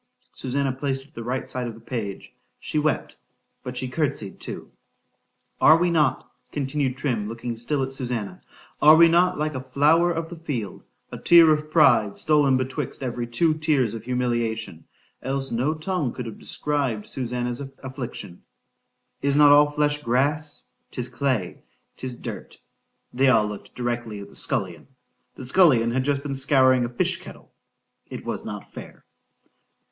—Susannah placed it to the right side of the page—she wept—but she court'sied too.—Are we not, continued Trim, looking still at Susannah—are we not like a flower of the field—a tear of pride stole in betwixt every two tears of humiliation—else no tongue could have described Susannah's affliction—is not all flesh grass?—Tis clay,—'tis dirt.—They all looked directly at the scullion,—the scullion had just been scouring a fish kettle.—It was not fair.